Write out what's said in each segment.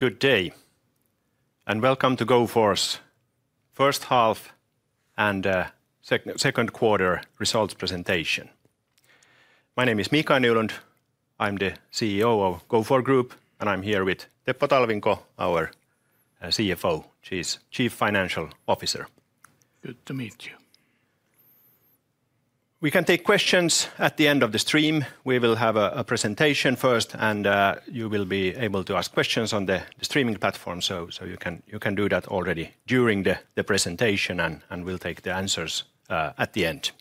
Good day and welcome to Gofore's first half and second quarter results presentation. My name is Mikael Nylund. I'm the CEO of Gofore Group, and I'm here with Teppo Talvinko, our CFO. She is Chief Financial Officer. Good to meet you. We can take questions at the end of the stream. We will have a presentation first, and you will be able to ask questions on the streaming platform. You can do that already during the presentation, and we'll take the answers at the end.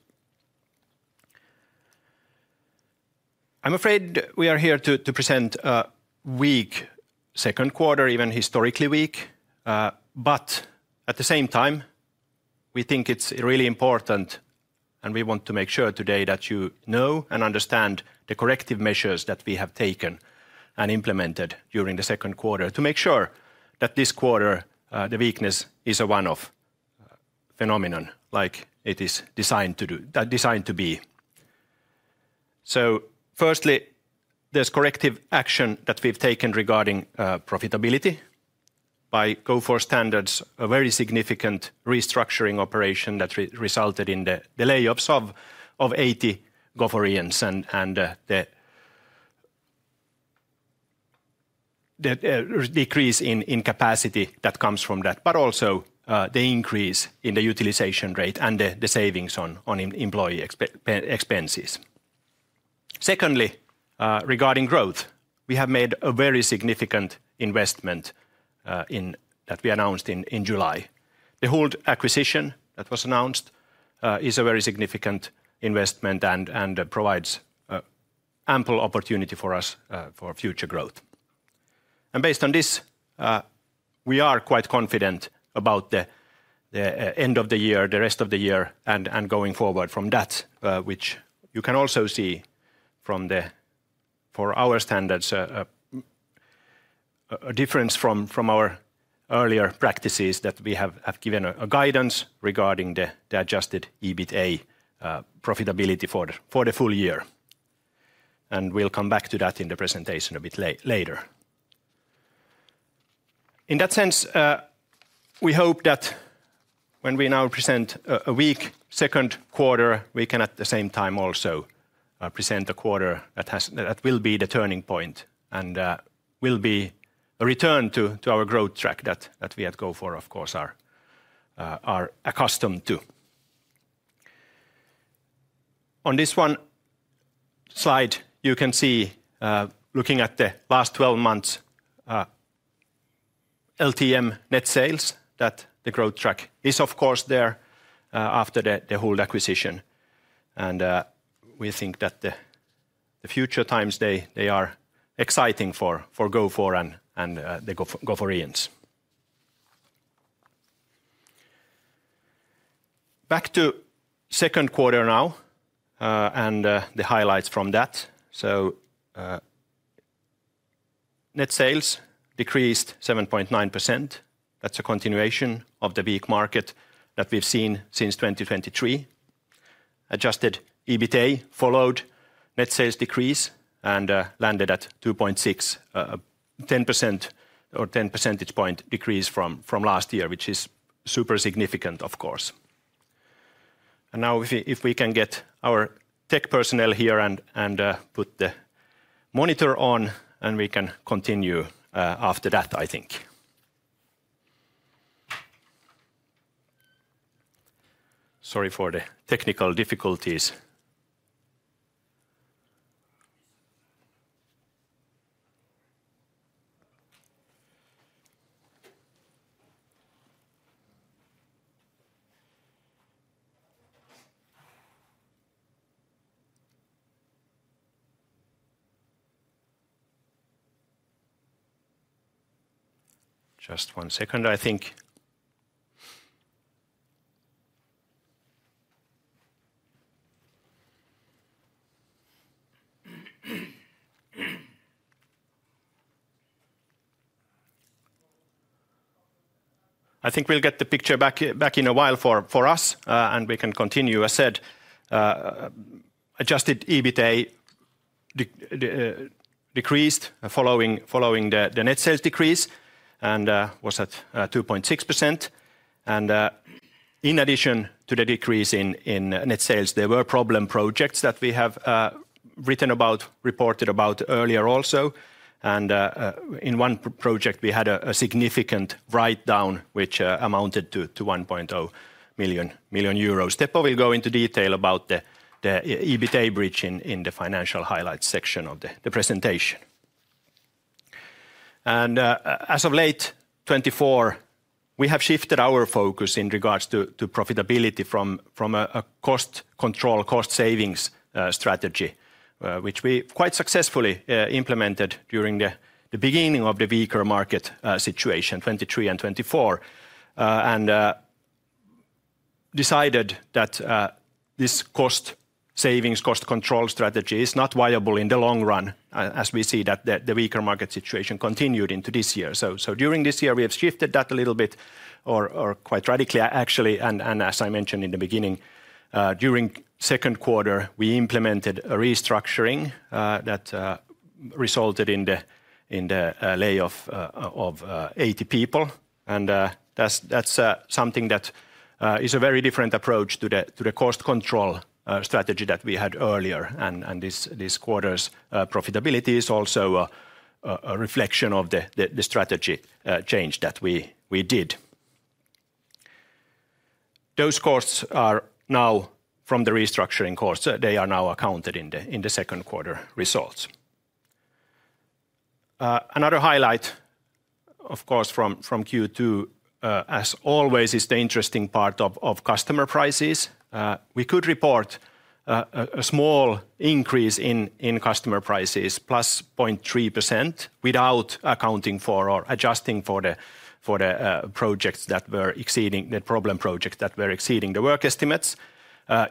I'm afraid we are here to present a weak second quarter, even historically weak. At the same time, we think it's really important, and we want to make sure today that you know and understand the corrective measures that we have taken and implemented during the second quarter to make sure that this quarter, the weakness is a one-off phenomenon like it is designed to be. Firstly, there's corrective action that we've taken regarding profitability by Gofore standards, a very significant restructuring operation that resulted in the layoffs of 80 Goforeans and the decrease in capacity that comes from that, but also the increase in the utilization rate and the savings on employee expenses. Secondly, regarding growth, we have made a very significant investment that we announced in July. The Huld acquisition that was announced is a very significant investment and provides ample opportunity for us for future growth. Based on this, we are quite confident about the end of the year, the rest of the year, and going forward from that, which you can also see from, for our standards, a difference from our earlier practices that we have given a guidance regarding the adjusted EBITDA profitability for the full year. We'll come back to that in the presentation a bit later. In that sense, we hope that when we now present a weak second quarter, we can at the same time also present a quarter that will be the turning point and will be a return to our growth track that we at Gofore, of course, are accustomed to. On this one slide, you can see, looking at the last 12 months, LTM net sales, that the growth track is, of course, there after the Huld acquisition. We think that the future times, they are exciting for Gofore and the Goforeans. Back to second quarter now and the highlights from that. Net sales decreased 7.9%. That's a continuation of the weak market that we've seen since 2023. Adjusted EBITDA followed net sales decrease and landed at 2.6, a 10% or 10 percentage point decrease from last year, which is super significant, of course. If we can get our tech personnel here and put the monitor on, we can continue after that, I think. Sorry for the technical difficulties. Just one second, I think. I think we'll get the picture back in a while for us, and we can continue. As said, adjusted EBITDA decreased following the net sales decrease and was at 2.6%. In addition to the decrease in net sales, there were problem projects that we have written about, reported about earlier also. In one project, we had a significant write-down, which amounted to 1 million. Teppo will go into detail about the EBITDA bridge in the financial highlights section of the presentation. As of late 2024, we have shifted our focus in regards to profitability from a cost control, cost savings strategy, which we quite successfully implemented during the beginning of the weaker market situation, 2023 and 2024, and decided that this cost savings, cost control strategy is not viable in the long run, as we see that the weaker market situation continued into this year. During this year, we have shifted that a little bit, or quite radically, actually. As I mentioned in the beginning, during the second quarter, we implemented a restructuring that resulted in the layoff of 80 people. That is a very different approach to the cost control strategy that we had earlier. This quarter's profitability is also a reflection of the strategy change that we did. Those costs are now from the restructuring costs. They are now accounted in the second quarter results. Another highlight, of course, from Q2, as always, is the interesting part of customer prices. We could report a small increase in customer prices, +0.3%, without accounting for or adjusting for the projects that were exceeding the problem projects that were exceeding the work estimates.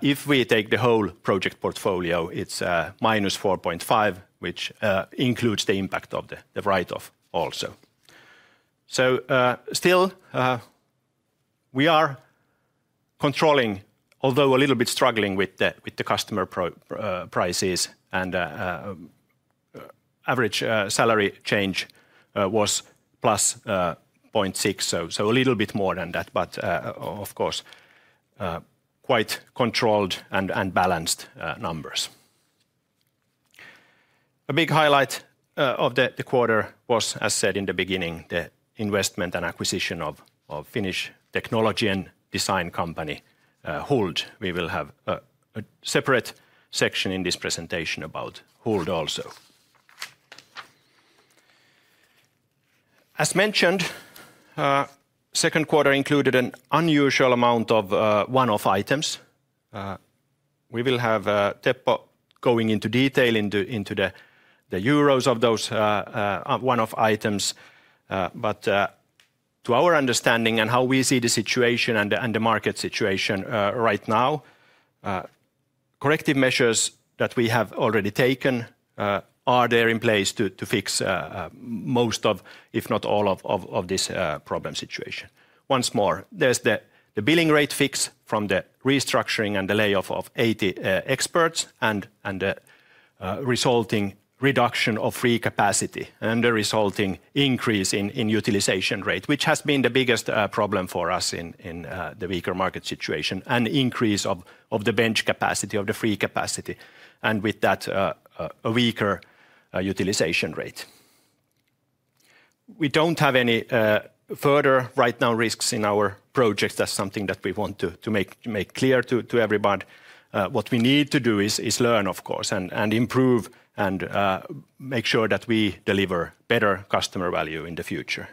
If we take the whole project portfolio, it's -4.5%, which includes the impact of the write-off also. Still, we are controlling, although a little bit struggling with the customer prices, and the average salary change was +0.6%, so a little bit more than that, but of course, quite controlled and balanced numbers. A big highlight of the quarter was, as said in the beginning, the investment and acquisition of Finnish technology and design company, Huld Oy. We will have a separate section in this presentation about Huld Oy also. As mentioned, the second quarter included an unusual amount of one-off items. We will have Teppo going into detail into the euros of those one-off items. To our understanding and how we see the situation and the market situation right now, corrective measures that we have already taken are in place to fix most of, if not all of, this problem situation. Once more, there's the billing rate fix from the restructuring and the layoff of 80 experts and the resulting reduction of free capacity and the resulting increase in utilization rate, which has been the biggest problem for us in the weaker market situation and the increase of the bench capacity, of the free capacity, and with that, a weaker utilization rate. We don't have any further write-down risks in our projects. That's something that we want to make clear to everyone. What we need to do is learn, of course, and improve and make sure that we deliver better customer value in the future.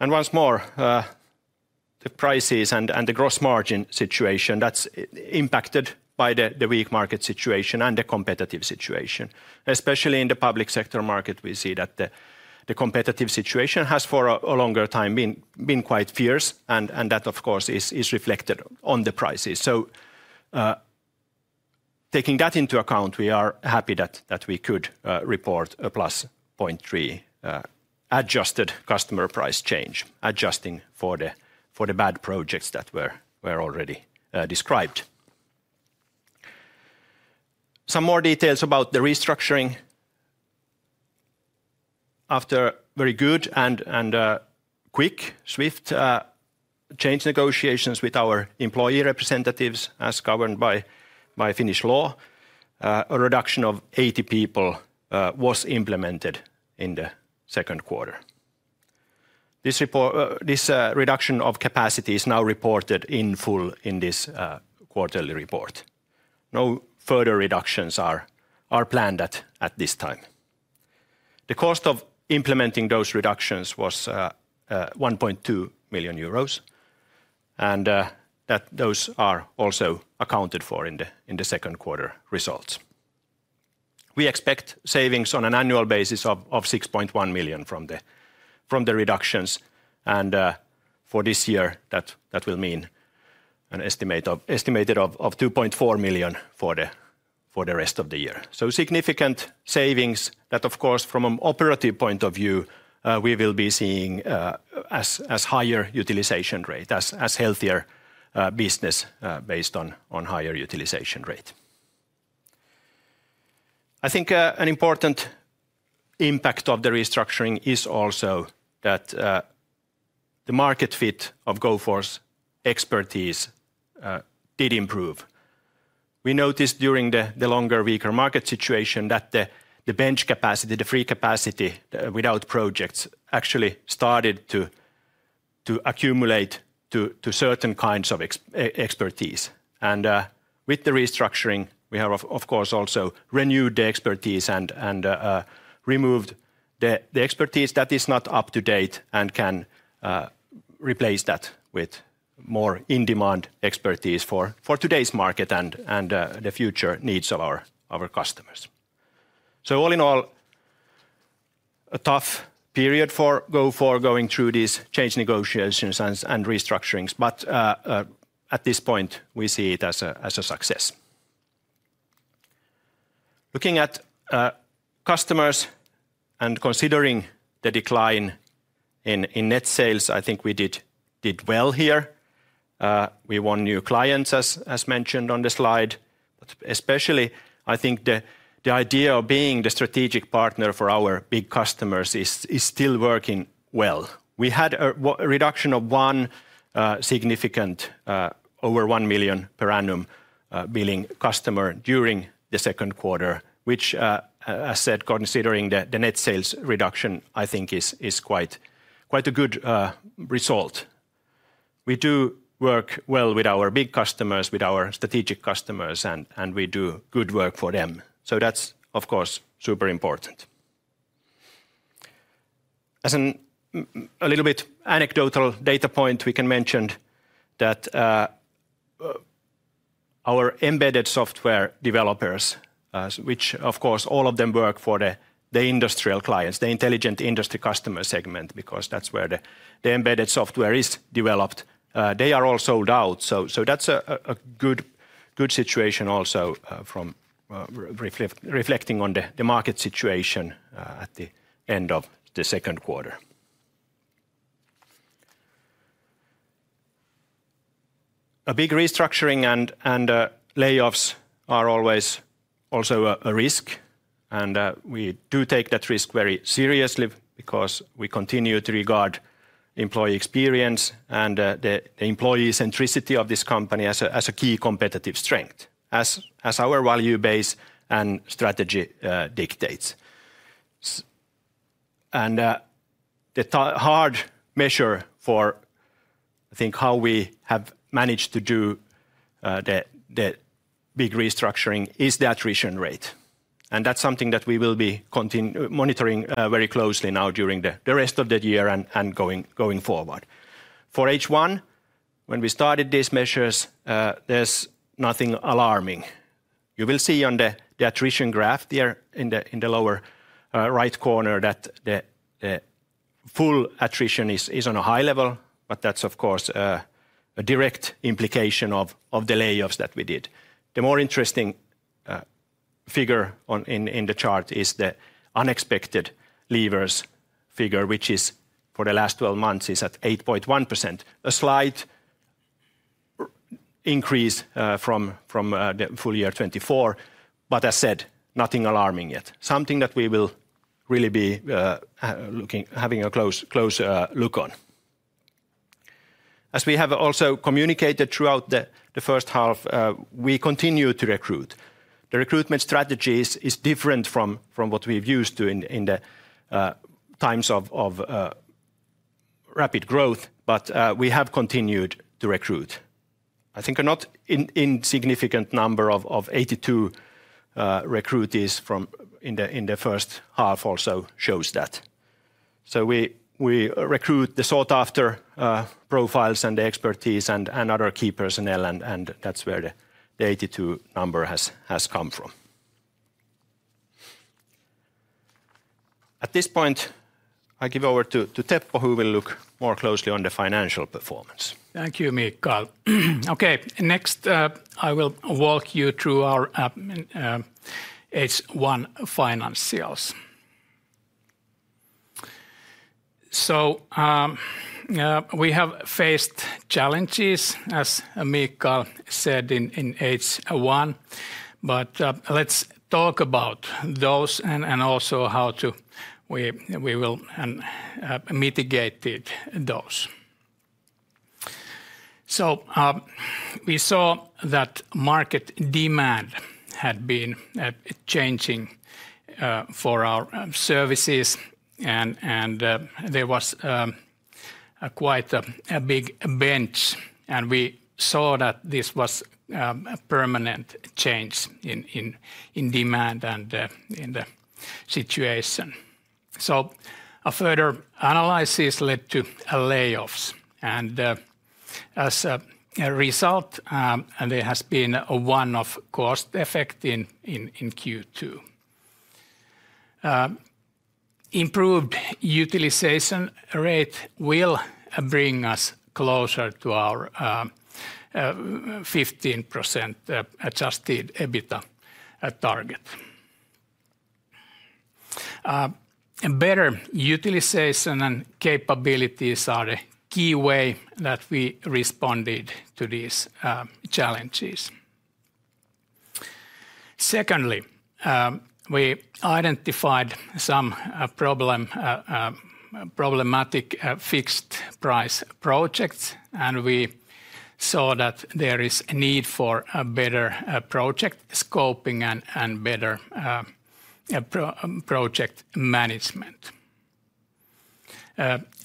Once more, the prices and the gross margin situation, that's impacted by the weak market situation and the competitive situation. Especially in the public sector market, we see that the competitive situation has for a longer time been quite fierce, and that, of course, is reflected on the prices. Taking that into account, we are happy that we could report a +0.3% adjusted customer price change, adjusting for the bad projects that were already described. Some more details about the restructuring. After very good and quick, swift change negotiations with our employee representatives, as governed by Finnish law, a reduction of 80 people was implemented in the second quarter. This reduction of capacity is now reported in full in this quarterly report. No further reductions are planned at this time. The cost of implementing those reductions was 1.2 million euros, and those are also accounted for in the second quarter results. We expect savings on an annual basis of 6.1 million from the reductions. For this year, that will mean an estimated 2.4 million for the rest of the year. Significant savings that, of course, from an operative point of view, we will be seeing as higher utilization rate, as healthier business based on higher utilization rate. I think an important impact of the restructuring is also that the market fit of Gofore Oyj's expertise did improve. We noticed during the longer, weaker market situation that the bench capacity, the free capacity without projects, actually started to accumulate to certain kinds of expertise. With the restructuring, we have, of course, also renewed the expertise and removed the expertise that is not up to date and can replace that with more in-demand expertise for today's market and the future needs of our customers. All in all, a tough period for Gofore going through these change negotiations and restructurings, but at this point, we see it as a success. Looking at customers and considering the decline in net sales, I think we did well here. We won new clients, as mentioned on the slide. Especially, I think the idea of being the strategic partner for our big customers is still working well. We had a reduction of one significant, over 1 million per annum billing customer during the second quarter, which, as said, considering the net sales reduction, I think is quite a good result. We do work well with our big customers, with our strategic customers, and we do good work for them. That's, of course, super important. As a little bit anecdotal data point, we can mention that our embedded software developers, which, of course, all of them work for the industrial clients, the intelligent industry customer segment, because that's where the embedded software is developed, they are all sold out. That's a good situation also from reflecting on the market situation at the end of the second quarter. A big restructuring and layoffs are always also a risk. We do take that risk very seriously because we continue to regard employee experience and the employee centricity of this company as a key competitive strength, as our value base and strategy dictates. The hard measure for, I think, how we have managed to do the big restructuring is the attrition rate. That's something that we will be monitoring very closely now during the rest of the year and going forward. For H1, when we started these measures, there's nothing alarming. You will see on the attrition graph there in the lower right corner that the full attrition is on a high level, but that's, of course, a direct implication of the layoffs that we did. The more interesting figure in the chart is the unexpected leavers figure, which is for the last 12 months, is at 8.1%. A slight increase from the full year 2024, but as said, nothing alarming yet. Something that we will really be having a close look on. As we have also communicated throughout the first half, we continue to recruit. The recruitment strategy is different from what we've used in the times of rapid growth, but we have continued to recruit. I think a not insignificant number of 82 recruitees in the first half also shows that. We recruit the sought-after profiles and the expertise and other key personnel, and that's where the 82 number has come from. At this point, I give over to Teppo, who will look more closely on the financial performance. Thank you, Mikael. Next, I will walk you through our H1 finance sales. We have faced challenges, as Mikael said in H1, but let's talk about those and also how we will mitigate those. We saw that market demand had been changing for our services, and there was quite a big bench, and we saw that this was a permanent change in demand and in the situation. Further analysis led to layoffs, and as a result, there has been a one-off cost effect in Q2. Improved utilization rate will bring us closer to our 15% adjusted EBITDA target. Better utilization and capabilities are the key way that we responded to these challenges. Secondly, we identified some problematic fixed price projects, and we saw that there is a need for better project scoping and better project management.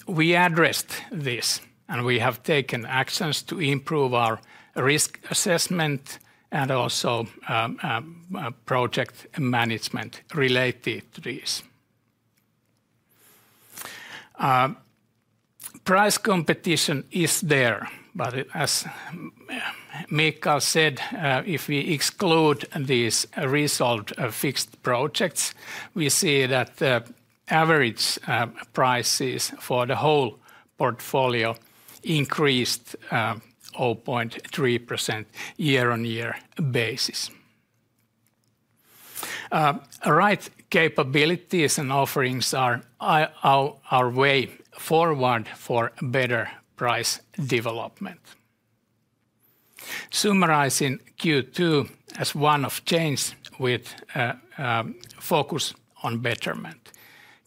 We addressed this, and we have taken actions to improve our risk assessment and also project management related to these. Price competition is there, but as Mikael said, if we exclude these resolved fixed projects, we see that the average prices for the whole portfolio increased 0.3% year-on-year basis. Right capabilities and offerings are our way forward for better price development. Summarizing Q2 as one of change with a focus on betterment.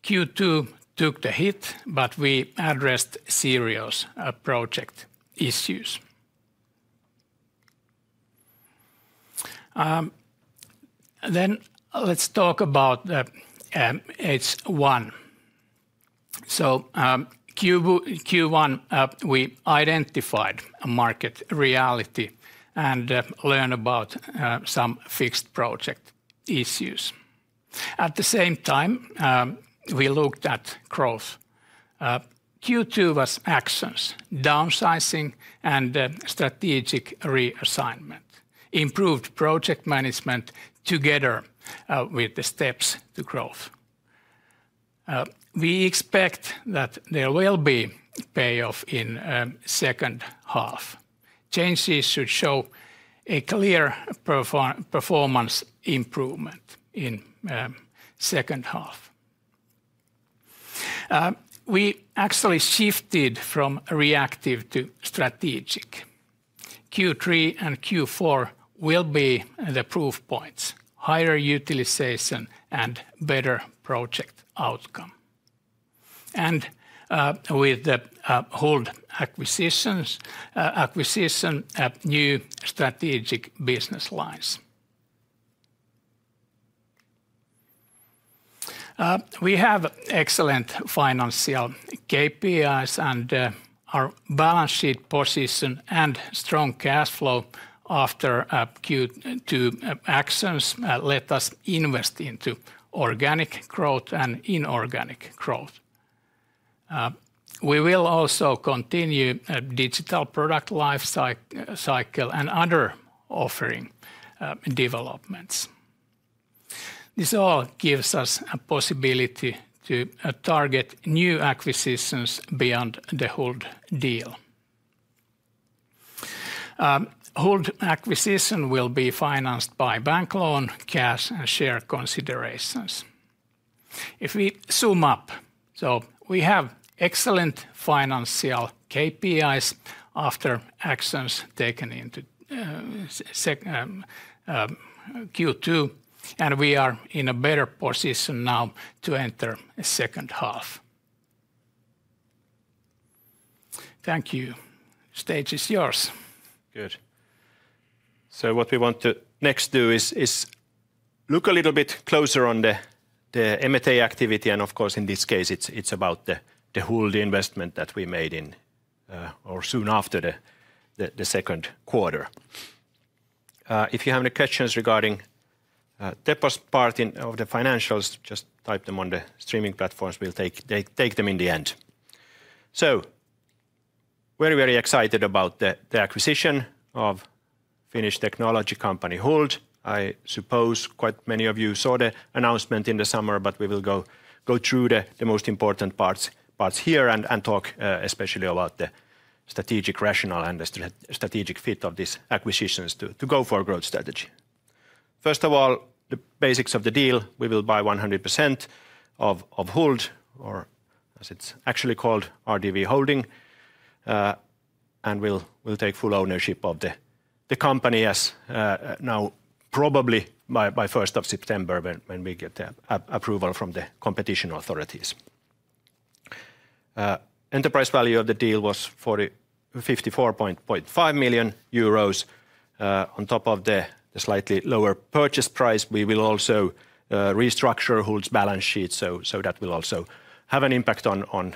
Q2 took the hit, but we addressed serious project issues. Let's talk about the H1. Q1, we identified market reality and learned about some fixed project issues. At the same time, we looked at growth. Q2 was actions, downsizing, and strategic reassignment. Improved project management together with the steps to growth. We expect that there will be payoff in the second half. Changes should show a clear performance improvement in the second half. We actually shifted from reactive to strategic. Q3 and Q4 will be the proof points: higher utilization and better project outcome. With the Huld acquisition, acquisition of new strategic business lines. We have excellent financial KPIs and our balance sheet position and strong cash flow after Q2 actions let us invest into organic growth and inorganic growth. We will also continue digital product lifecycle and other offering developments. This all gives us a possibility to target new acquisitions beyond the Huld deal. Huld acquisition will be financed by bank loan, cash, and share considerations. If we zoom up, we have excellent financial KPIs after actions taken into Q2, and we are in a better position now to enter the second half. Thank you. Stage is yours. Good. What we want to next do is look a little bit closer on the M&A activity, and of course, in this case, it's about the Huld investment that we made in or soon after the second quarter. If you have any questions regarding Teppo's part of the financials, just type them on the streaming platforms. We'll take them in the end. Very, very excited about the acquisition of Finnish technology company Huld. I suppose quite many of you saw the announcement in the summer, but we will go through the most important parts here and talk especially about the strategic rationale and the strategic fit of these acquisitions to Gofore's growth strategy. First of all, the basics of the deal. We will buy 100% of Huld, or as it's actually called, RDV Holding, and we'll take full ownership of the company as now probably by September 1, 2024, when we get the approval from the competition authorities. Enterprise value of the deal was 54.5 million euros. On top of the slightly lower purchase price, we will also restructure Huld's balance sheet, so that will also have an impact on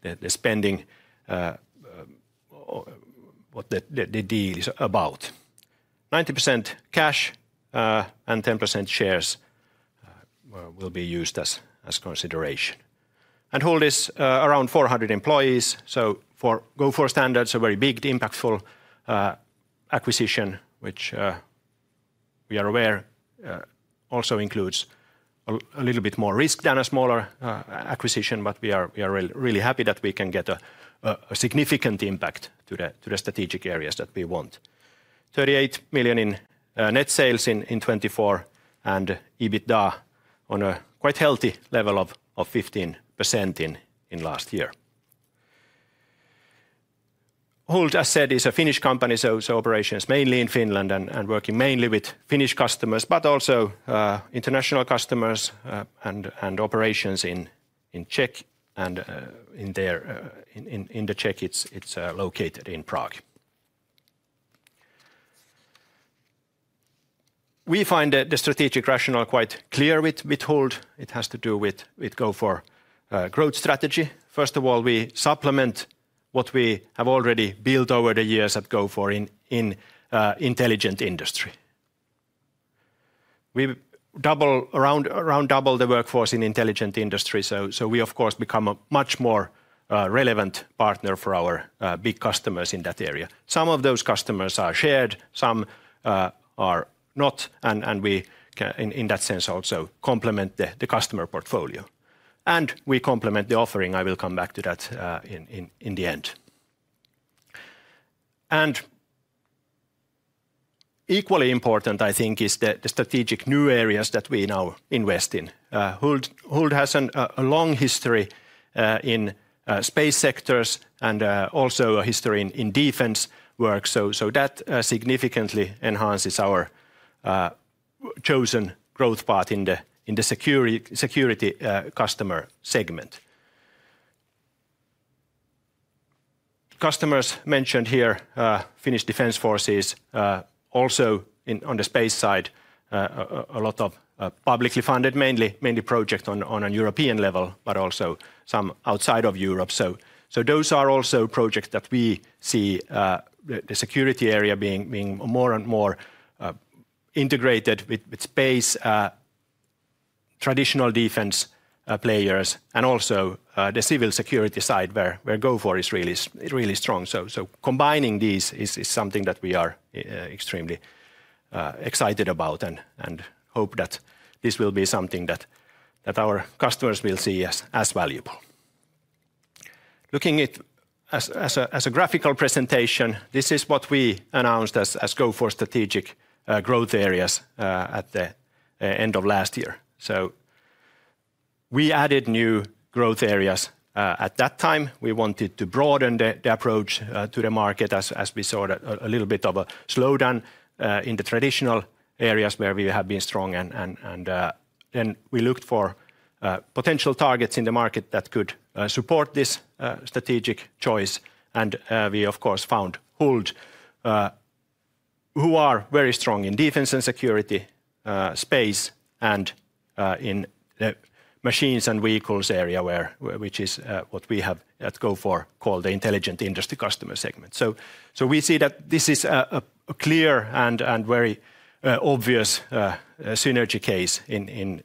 the spending, what the deal is about. 90% cash and 10% shares will be used as consideration. Huld is around 400 employees, so for Gofore standards, a very big, impactful acquisition, which we are aware also includes a little bit more risk than a smaller acquisition, but we are really happy that we can get a significant impact to the strategic areas that we want. 38 million in net sales in 2024 and EBITDA on a quite healthy level of 15% in last year. Huld, as said, is a Finnish company, so operations mainly in Finland and working mainly with Finnish customers, but also international customers and operations in Czech and in the Czech it's located in Prague. We find the strategic rationale quite clear with Huld. It has to do with Gofore's growth strategy. First of all, we supplement what we have already built over the years at Gofore in intelligent industry. We double around double the workforce in intelligent industry, so we, of course, become a much more relevant partner for our big customers in that area. Some of those customers are shared, some are not, and we, in that sense, also complement the customer portfolio. We complement the offering. I will come back to that in the end. Equally important, I think, is the strategic new areas that we now invest in. Huld has a long history in space sectors and also a history in defense work, so that significantly enhances our chosen growth path in the security customer segment. Customers mentioned here, Finnish Defense Forces, also on the space side, a lot of publicly funded, mainly projects on a European level, but also some outside of Europe. Those are also projects that we see the security area being more and more integrated with space, traditional defense players, and also the civil security side where Gofore is really strong. Combining these is something that we are extremely excited about and hope that this will be something that our customers will see as valuable. Looking at it as a graphical presentation, this is what we announced as Gofore's strategic growth areas at the end of last year. We added new growth areas at that time. We wanted to broaden the approach to the market as we saw a little bit of a slowdown in the traditional areas where we have been strong. We looked for potential targets in the market that could support this strategic choice. We, of course, found Huld, who are very strong in defense and security space and in the machines and vehicles area, which is what we have at Gofore called the intelligent industry customer segment. We see that this is a clear and very obvious synergy case in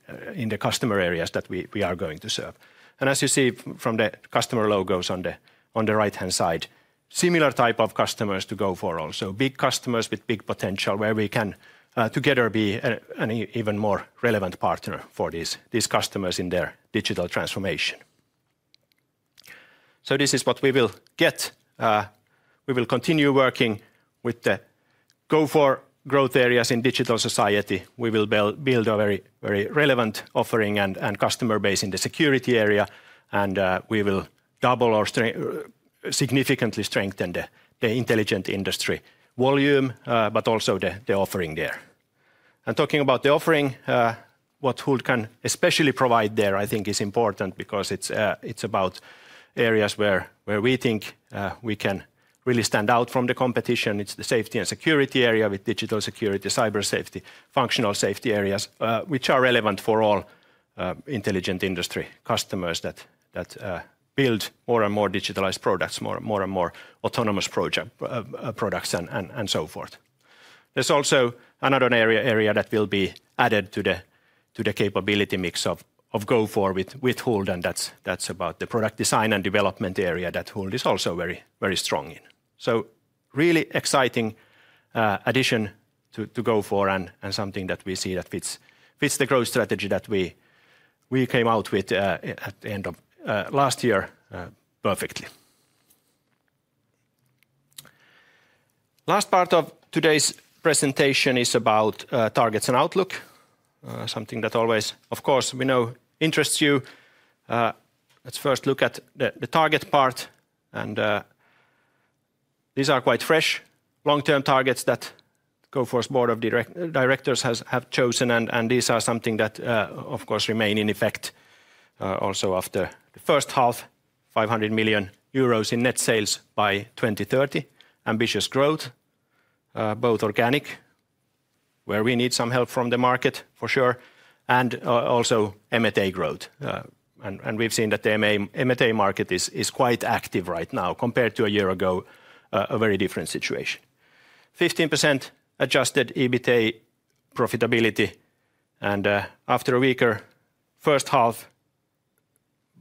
the customer areas that we are going to serve. As you see from the customer logos on the right-hand side, similar type of customers to Gofore also, big customers with big potential where we can together be an even more relevant partner for these customers in their digital transformation. This is what we will get. We will continue working with the Gofore growth areas in digital society. We will build a very relevant offering and customer base in the security area. We will double or significantly strengthen the intelligent industry volume, but also the offering there. Talking about the offering, what Huld can especially provide there, I think, is important because it's about areas where we think we can really stand out from the competition. It's the safety and security area with digital security, cyber safety, functional safety areas, which are relevant for all intelligent industry customers that build more and more digitalized products, more and more autonomous products, and so forth. There's also another area that will be added to the capability mix of Gofore with Huld, and that's about the product design and development area that Huld is also very strong in. Really exciting addition to Gofore and something that we see that fits the growth strategy that we came out with at the end of last year perfectly. Last part of today's presentation is about targets and outlook, something that always, of course, we know interests you. Let's first look at the target part. These are quite fresh long-term targets that Gofore's Board of Directors has chosen, and these are something that, of course, remain in effect also after the first half, 500 million euros in net sales by 2030, ambitious growth, both organic, where we need some help from the market for sure, and also M&A growth. We've seen that the M&A market is quite active right now compared to a year ago, a very different situation. 15% adjusted EBITDA profitability. After a weaker first half,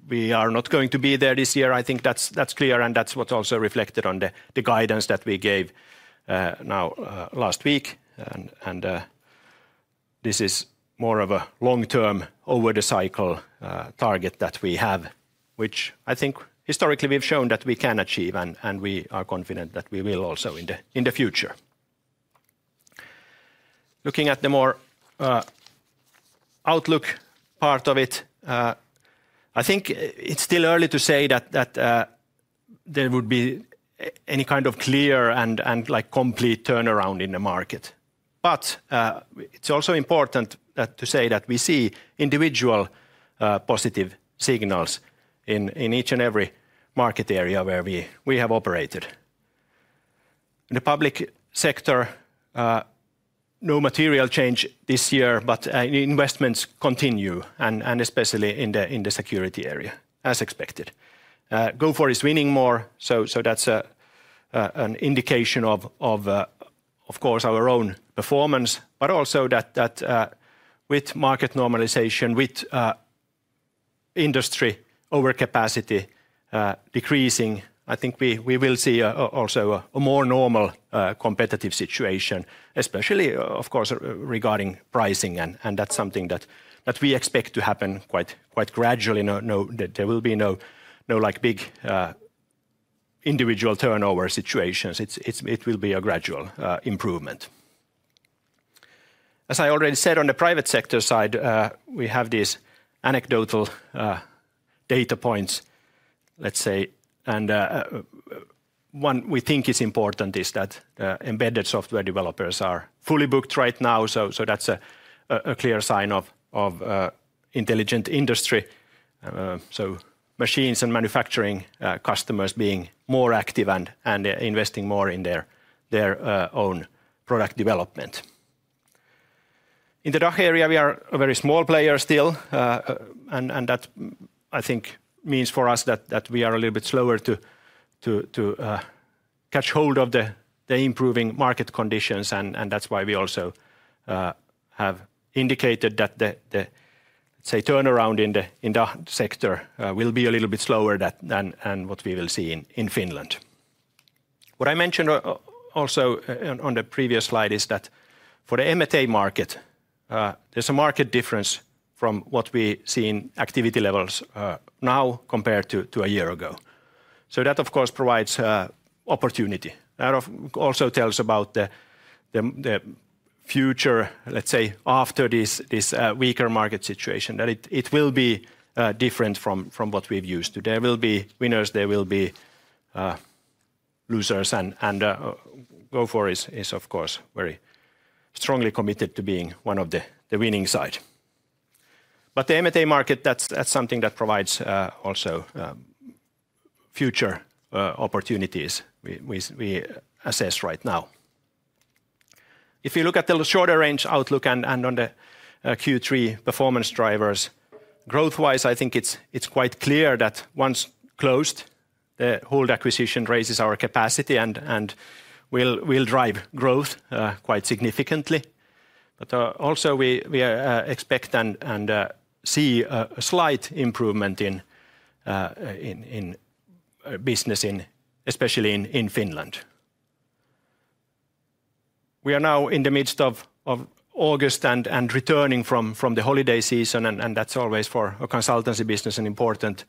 we are not going to be there this year. I think that's clear, and that's what's also reflected on the guidance that we gave now last week. This is more of a long-term over-the-cycle target that we have, which I think historically we've shown that we can achieve, and we are confident that we will also in the future. Looking at the more outlook part of it, I think it's still early to say that there would be any kind of clear and complete turnaround in the market. It's also important to say that we see individual positive signals in each and every market area where we have operated. In the public sector, no material change this year, but investments continue, and especially in the security area, as expected. Gofore is winning more, so that's an indication of, of course, our own performance, but also that with market normalization, with industry overcapacity decreasing, I think we will see also a more normal competitive situation, especially, of course, regarding pricing. That's something that we expect to happen quite gradually. There will be no big individual turnover situations. It will be a gradual improvement. As I already said, on the private sector side, we have these anecdotal data points, let's say. One we think is important is that embedded software developers are fully booked right now, so that's a clear sign of intelligent industry. Machines and manufacturing customers being more active and investing more in their own product development. In the DACH region, we are a very small player still, and that, I think, means for us that we are a little bit slower to catch hold of the improving market conditions. That is why we also have indicated that the, say, turnaround in the DACH sector will be a little bit slower than what we will see in Finland. What I mentioned also on the previous slide is that for the M&A market, there's a marked difference from what we see in activity levels now compared to a year ago. That, of course, provides opportunity. That also tells about the future, let's say, after this weaker market situation, that it will be different from what we've used to. There will be winners, there will be losers, and Gofore is, of course, very strongly committed to being one of the winning sides. The M&A market, that's something that provides also future opportunities we assess right now. If we look at the shorter range outlook and on the Q3 performance drivers, growth-wise, I think it's quite clear that once closed, the Huld acquisition raises our capacity and will drive growth quite significantly. We expect and see a slight improvement in business, especially in Finland. We are now in the midst of August and returning from the holiday season, and that's always for a consultancy business an important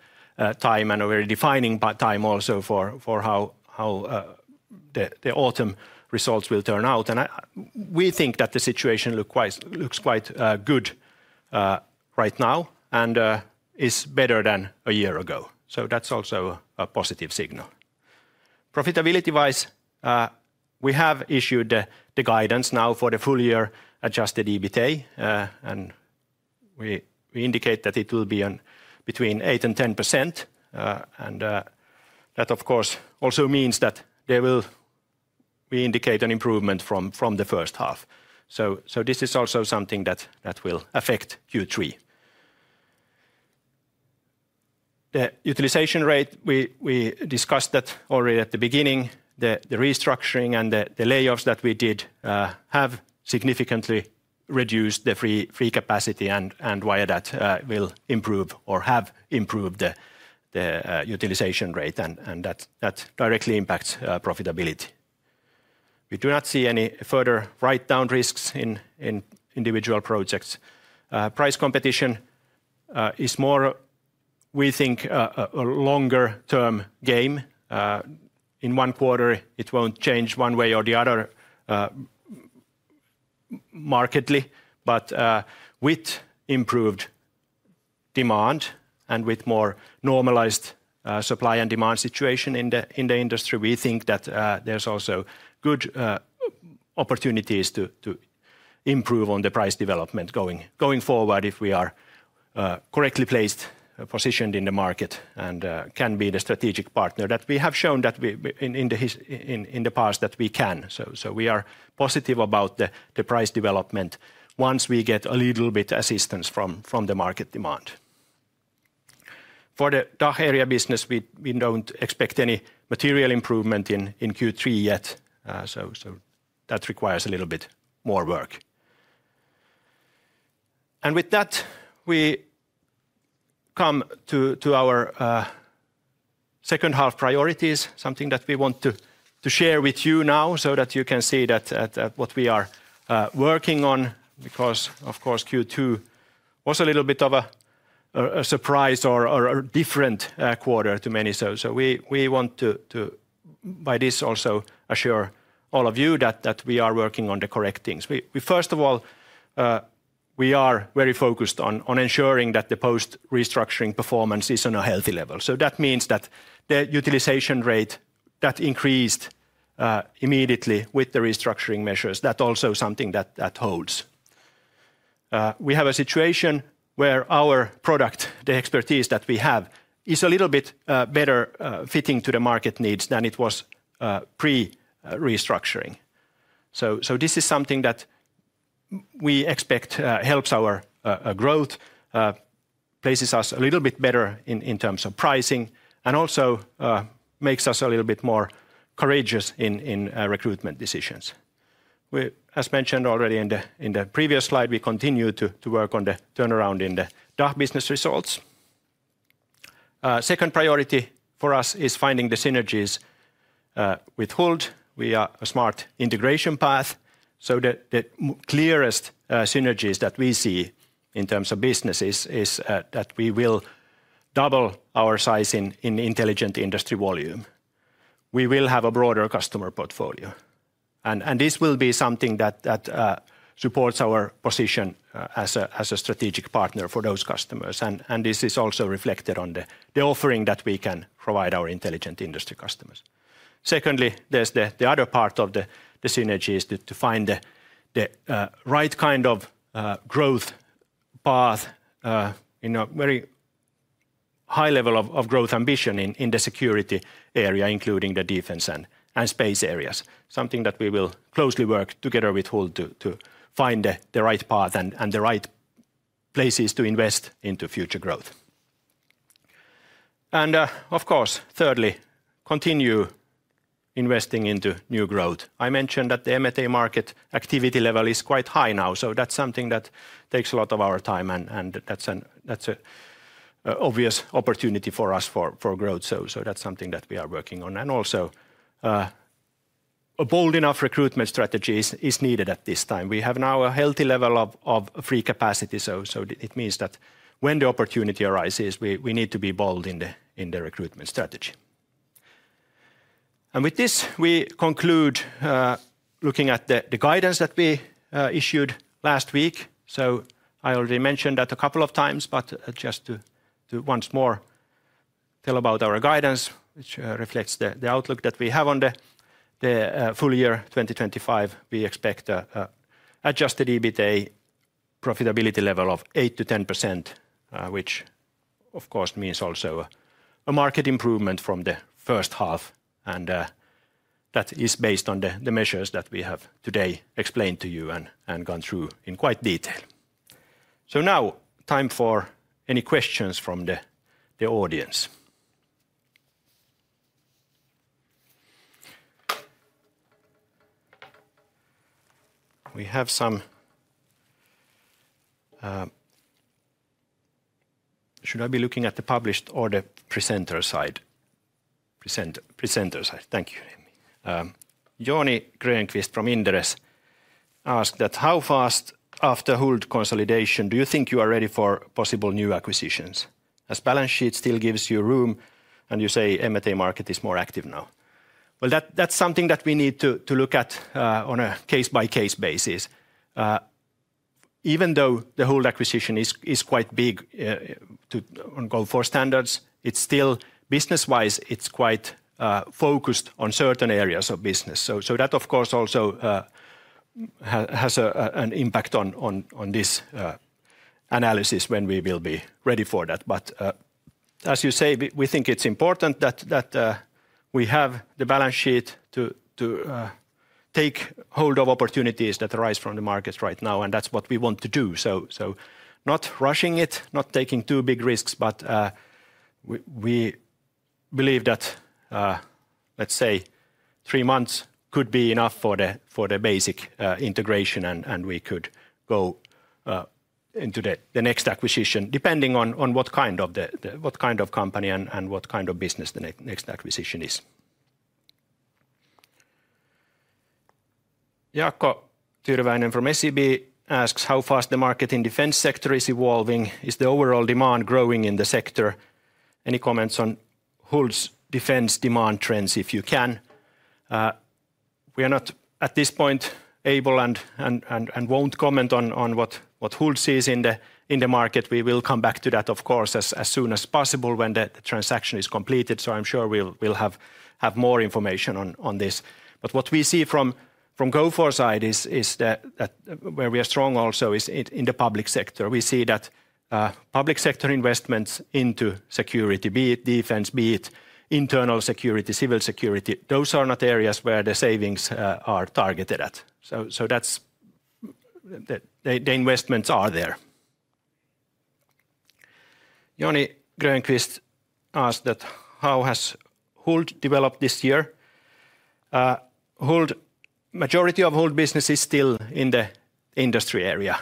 time and a very defining time also for how the autumn results will turn out. We think that the situation looks quite good right now and is better than a year ago. That's also a positive signal. Profitability-wise, we have issued the guidance now for the full-year adjusted EBITDA, and we indicate that it will be between 8% and 10%. That, of course, also means that there will be an improvement from the first half. This is also something that will affect Q3. The utilization rate, we discussed that already at the beginning, the restructuring and the layoffs that we did have significantly reduced the free capacity and why that will improve or have improved the utilization rate, and that directly impacts profitability. We do not see any further write-down risks in individual projects. Price competition is more, we think, a longer-term game. In one quarter, it won't change one way or the other markedly, but with improved demand and with a more normalized supply and demand situation in the industry, we think that there's also good opportunities to improve on the price development going forward if we are correctly placed, positioned in the market and can be the strategic partner that we have shown in the past that we can. We are positive about the price development once we get a little bit of assistance from the market demand. For the DACH region business, we don't expect any material improvement in Q3 yet, that requires a little bit more work. With that, we come to our second half priorities, something that we want to share with you now so that you can see what we are working on because, of course, Q2 was a little bit of a surprise or a different quarter to many. We want to, by this, also assure all of you that we are working on the correct things. First of all, we are very focused on ensuring that the post-restructuring performance is on a healthy level. That means that the utilization rate that increased immediately with the restructuring measures, that's also something that holds. We have a situation where our product, the expertise that we have, is a little bit better fitting to the market needs than it was pre-restructuring. This is something that we expect helps our growth, places us a little bit better in terms of pricing, and also makes us a little bit more courageous in recruitment decisions. As mentioned already in the previous slide, we continue to work on the turnaround in the DACH region business results. Second priority for us is finding the synergies with Huld. We are a smart integration path. The clearest synergies that we see in terms of businesses is that we will double our size in intelligent industry volume. We will have a broader customer portfolio, and this will be something that supports our position as a strategic partner for those customers. This is also reflected on the offering that we can provide our intelligent industry customers. Secondly, there's the other part of the synergy is to find the right kind of growth path in a very high level of growth ambition in the security area, including the defense and space areas. Something that we will closely work together with Huld to find the right path and the right places to invest into future growth. Of course, thirdly, continue investing into new growth. I mentioned that the M&A market activity level is quite high now. That's something that takes a lot of our time, and that's an obvious opportunity for us for growth. That's something that we are working on. Also, a bold enough recruitment strategy is needed at this time. We have now a healthy level of free capacity. It means that when the opportunity arises, we need to be bold in the recruitment strategy. With this, we conclude looking at the guidance that we issued last week. I already mentioned that a couple of times, but just to once more tell about our guidance, which reflects the outlook that we have on the full year 2025. We expect an adjusted EBITDA profitability level of 8%-10%, which, of course, means also a marked improvement from the first half. That is based on the measures that we have today explained to you and gone through in quite detail. Now, time for any questions from the audience. We have some... Should I be looking at the published or the presenter side? Presenter side. Thank you. Johnny Grönqvist from Inderes asked how fast after Huld consolidation do you think you are ready for possible new acquisitions? As balance sheet still gives you room, and you say M&A market is more active now. That's something that we need to look at on a case-by-case basis. Even though the Huld acquisition is quite big on Gofore standards, it's still business-wise, it's quite focused on certain areas of business. That, of course, also has an impact on this analysis when we will be ready for that. As you say, we think it's important that we have the balance sheet to take hold of opportunities that arise from the markets right now, and that's what we want to do. Not rushing it, not taking too big risks, but we believe that, let's say, three months could be enough for the basic integration, and we could go into the next acquisition depending on what kind of company and what kind of business the next acquisition is. Jaakko Tyrväinen from SIB asks how fast the market in defense sector is evolving. Is the overall demand growing in the sector? Any comments on Huld's defense demand trends if you can? We are not at this point able and won't comment on what Huld sees in the market. We will come back to that, of course, as soon as possible when the transaction is completed. I'm sure we'll have more information on this. What we see from Gofore's side is that where we are strong also is in the public sector. We see that public sector investments into security, be it defense, be it internal security, civil security, those are not areas where the savings are targeted at. The investments are there. Johnny Grönqvist asked that how has Huld developed this year? Majority of Huld business is still in the industry area.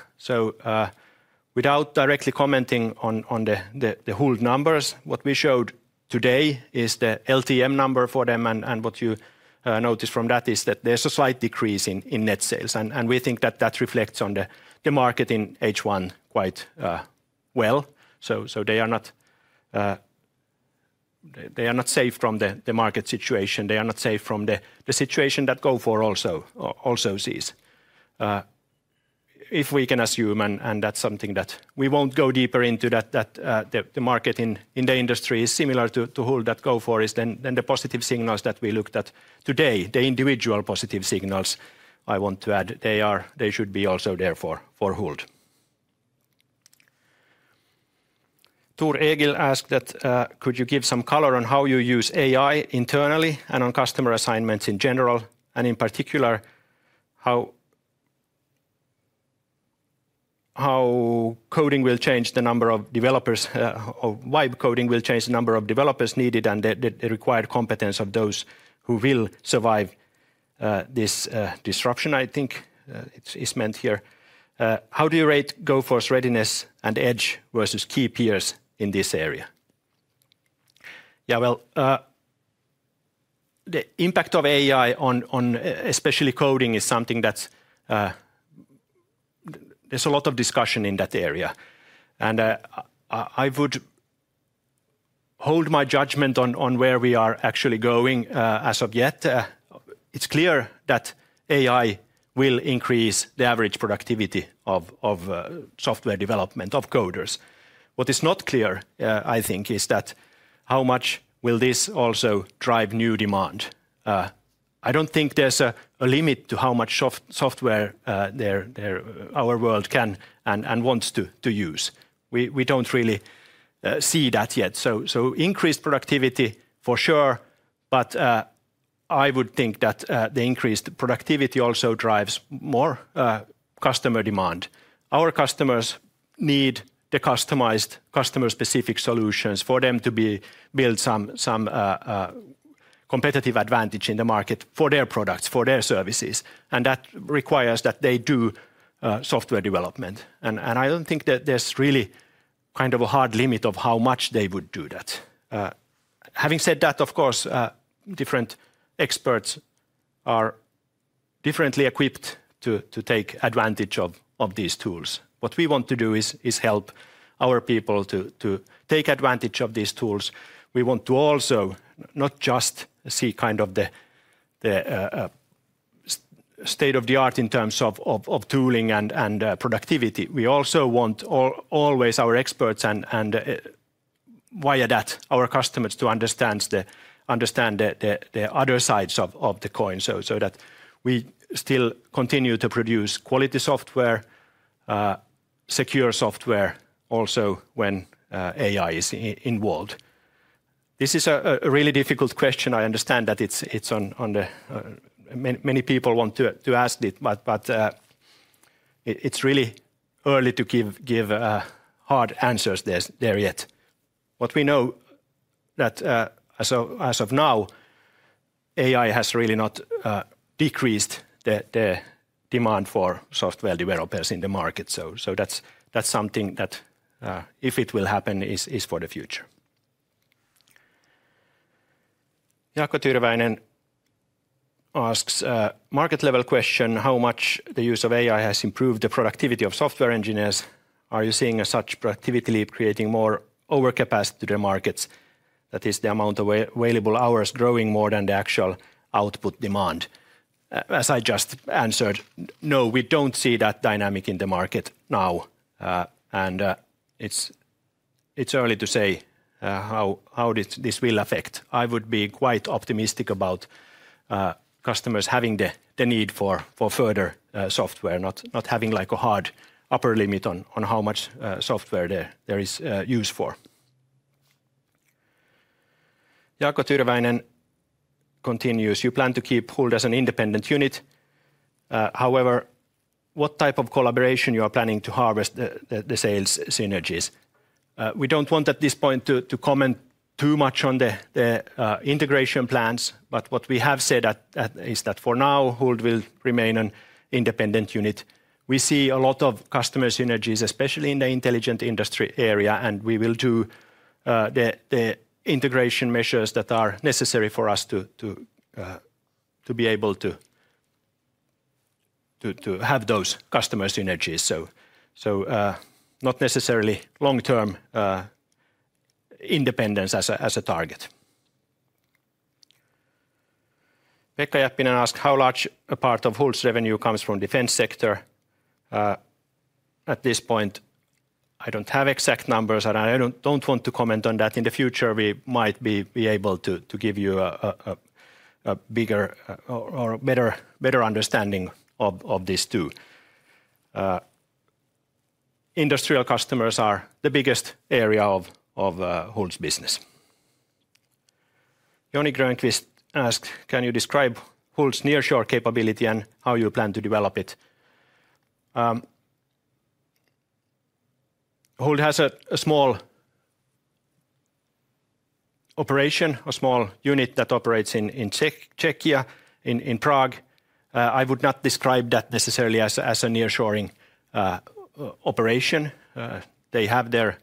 Without directly commenting on the Huld numbers, what we showed today is the LTM number for them. What you notice from that is that there's a slight decrease in net sales. We think that reflects on the market in H1 quite well. They are not safe from the market situation. They are not safe from the situation that Gofore also sees. If we can assume, and that's something that we won't go deeper into, that the market in the industry is similar to Huld, that Gofore is, the positive signals that we looked at today, the individual positive signals, I want to add, they should be also there for Huld. Thor Egil asked that could you give some color on how you use AI internally and on customer assignments in general, and in particular how coding will change the number of developers, or why coding will change the number of developers needed and the required competence of those who will survive this disruption, I think it's meant here. How do you rate Gofore's readiness and edge versus key peers in this area? The impact of AI on especially coding is something that there's a lot of discussion in that area. I would hold my judgment on where we are actually going as of yet. It's clear that AI will increase the average productivity of software development of coders. What is not clear, I think, is how much will this also drive new demand? I don't think there's a limit to how much software our world can and wants to use. We don't really see that yet. Increased productivity for sure, but I would think that the increased productivity also drives more customer demand. Our customers need the customized customer-specific solutions for them to build some competitive advantage in the market for their products, for their services. That requires that they do software development. I don't think that there's really kind of a hard limit of how much they would do that. Having said that, of course, different experts are differently equipped to take advantage of these tools. What we want to do is help our people to take advantage of these tools. We want to also not just see kind of the state of the art in terms of tooling and productivity. We also want always our experts and via that our customers to understand the other sides of the coin so that we still continue to produce quality software, secure software also when AI is involved. This is a really difficult question. I understand that it's one that many people want to ask, but it's really early to give hard answers there yet. What we know is that as of now, AI has really not decreased the demand for software developers in the market. That's something that, if it will happen, is for the future. Jaakko Tyrväinen asks a market-level question: how much the use of AI has improved the productivity of software engineers? Are you seeing such a productivity leap creating more overcapacity in the markets? That is, the amount of available hours growing more than the actual output demand. As I just answered, no, we don't see that dynamic in the market now. It's early to say how this will affect. I would be quite optimistic about customers having the need for further software, not having a hard upper limit on how much software there is used for. Jaakko Tyrväinen continues: you plan to keep Huld as an independent unit. However, what type of collaboration are you planning to harvest the sales synergies? We don't want at this point to comment too much on the integration plans, but what we have said is that for now, Huld will remain an independent unit. We see a lot of customer synergies, especially in the intelligent industry area, and we will do the integration measures that are necessary for us to be able to have those customer synergies, so not necessarily long-term independence as a target. Pekka Jäppinen asks how large a part of Huld's revenue comes from the defense sector. At this point, I don't have exact numbers, and I don't want to comment on that. In the future, we might be able to give you a bigger or better understanding of this too. Industrial customers are the biggest area of Huld's business. Johnny Grönqvist asks: can you describe Huld's nearshore capability and how you plan to develop it? Huld has a small operation, a small unit that operates in Czechia, in Prague. I would not describe that necessarily as a nearshoring operation. They have their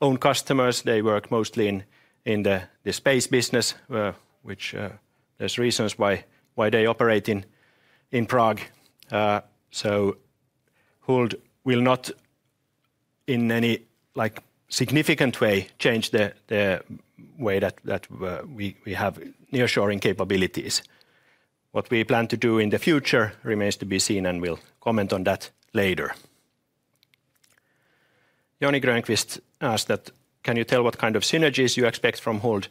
own customers. They work mostly in the space business, which is the reason why they operate in Prague. Huld will not, in any significant way, change the way that we have nearshoring capabilities. What we plan to do in the future remains to be seen, and we'll comment on that later. Johnny Grönqvist asks: can you tell what kind of synergies you expect from Huld?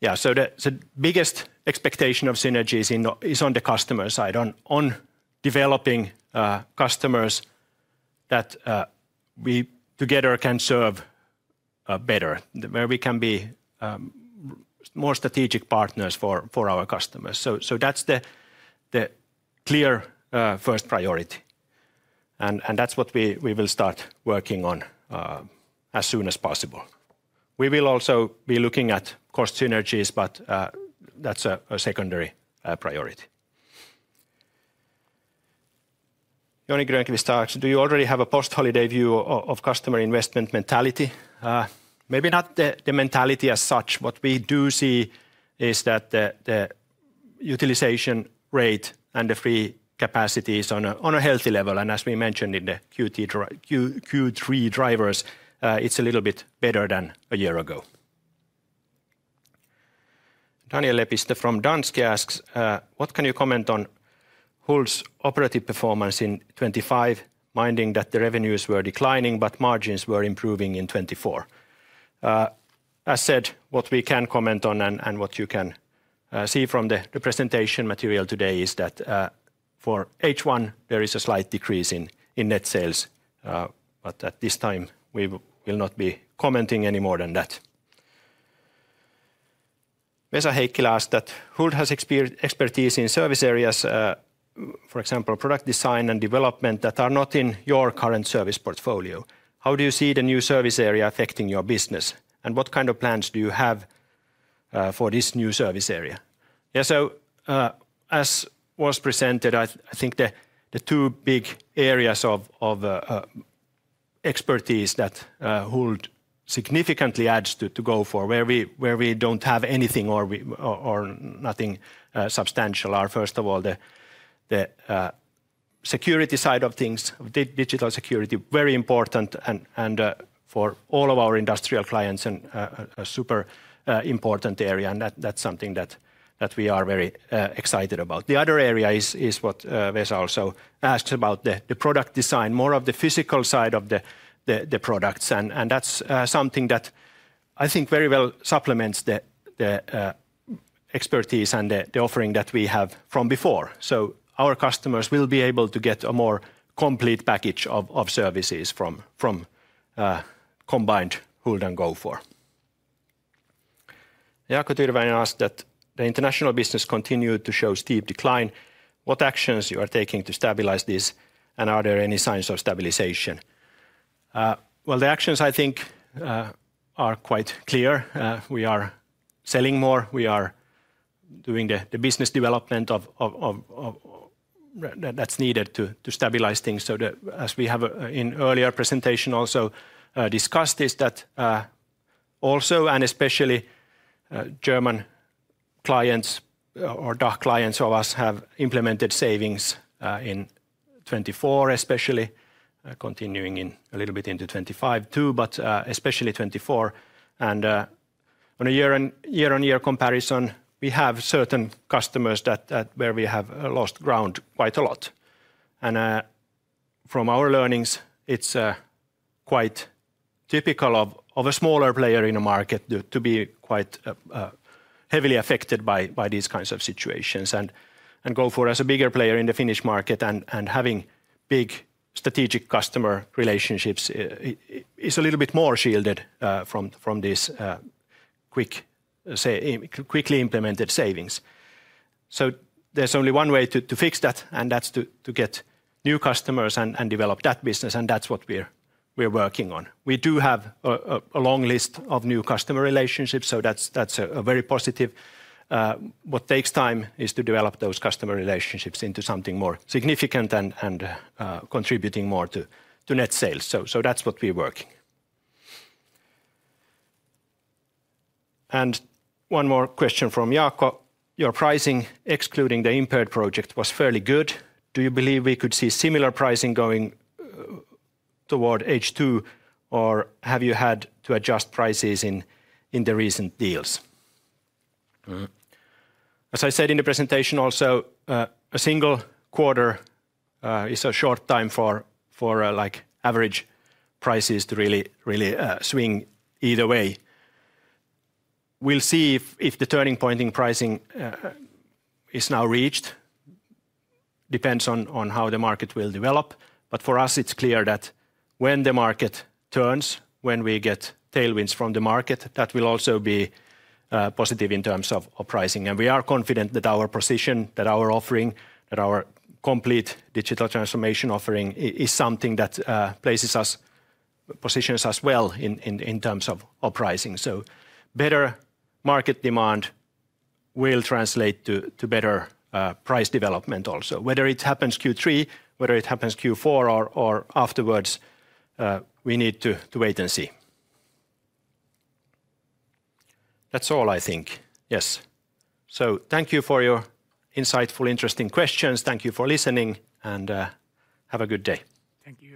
Yeah, the biggest expectation of synergies is on the customer side, on developing customers that we together can serve better, where we can be more strategic partners for our customers. That's the clear first priority, and that's what we will start working on as soon as possible. We will also be looking at cost synergies, but that's a secondary priority. Johnny Grönqvist asks: do you already have a post-holiday view of customer investment mentality? Maybe not the mentality as such. What we do see is that the utilization rate and the free capacity is on a healthy level. As we mentioned in the Q3 drivers, it's a little bit better than a year ago. Daniel Lepister from Danske asks: what can you comment on Huld's operative performance in 2025, minding that the revenues were declining but margins were improving in 2024? As said, what we can comment on and what you can see from the presentation material today is that for H1, there is a slight decrease in net sales, but at this time, we will not be commenting any more than that. Vesa Heikki asks: Huld has expertise in service areas, for example, product design and development that are not in your current service portfolio. How do you see the new service area affecting your business, and what kind of plans do you have for this new service area? Yeah, as was presented, I think the two big areas of expertise that Huld significantly adds to Gofore, where we don't have anything or nothing substantial, are, first of all, the security side of things, digital security, very important and for all of our industrial clients and a super important area. That's something that we are very excited about. The other area is what Vesa also asked about, the product design, more of the physical side of the products. That's something that I think very well supplements the expertise and the offering that we have from before. Our customers will be able to get a more complete package of services from combined Huld and Gofore. Jaakko Tyrväinen asks: that the international business continued to show steep decline. What actions are you taking to stabilize this, and are there any signs of stabilization? The actions, I think, are quite clear. We are selling more. We are doing the business development that's needed to stabilize things. As we have in earlier presentation also discussed, also and especially German clients or DACH clients of us have implemented savings in 2024, especially continuing a little bit into 2025 too, but especially 2024. On a year-on-year comparison, we have certain customers where we have lost ground quite a lot. From our learnings, it's quite typical of a smaller player in a market to be quite heavily affected by these kinds of situations. Gofore, as a bigger player in the Finnish market and having big strategic customer relationships, is a little bit more shielded from these quickly implemented savings. There's only one way to fix that, and that's to get new customers and develop that business. That's what we're working on. We do have a long list of new customer relationships, so that's very positive. What takes time is to develop those customer relationships into something more significant and contributing more to net sales. That's what we're working. One more question from Jaakko: your pricing, excluding the impaired project, was fairly good. Do you believe we could see similar pricing going toward H2, or have you had to adjust prices in the recent deals? As I said in the presentation also, a single quarter is a short time for average prices to really swing either way. We'll see if the turning point in pricing is now reached. It depends on how the market will develop. For us, it's clear that when the market turns, when we get tailwinds from the market, that will also be positive in terms of pricing. We are confident that our position, that our offering, that our complete digital transformation offering is something that positions us well in terms of pricing. Better market demand will translate to better price development also. Whether it happens Q3, whether it happens Q4, or afterwards, we need to wait and see. That's all I think. Yes. Thank you for your insightful, interesting questions. Thank you for listening, and have a good day. Thank you.